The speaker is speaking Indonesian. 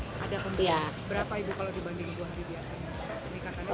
berapa ibu kalau dibandingkan dengan hari biasanya